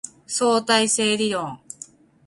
相対性理論